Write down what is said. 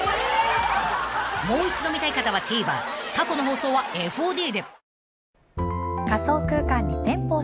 ［もう一度見たい方はＴＶｅｒ過去の放送はＦＯＤで］